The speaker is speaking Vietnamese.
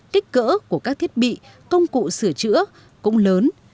kích cỡ của các thiết bị công cụ sửa chữa cũng lớn